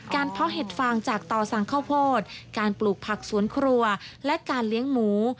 เพาะเห็ดฟางจากต่อสั่งข้าวโพดการปลูกผักสวนครัวและการเลี้ยงหมู